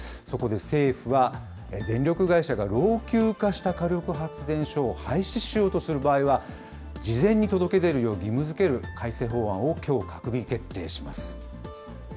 そこで政府は、電力会社が老朽化した火力発電所を廃止しようとする場合は、事前に届け出るよう義務づける改正法案をきょう、閣議決定します。